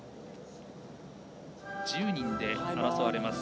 １０人で争われます。